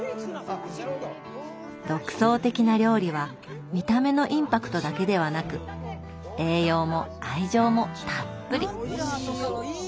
独創的な料理は見た目のインパクトだけではなく栄養も愛情もたっぷり。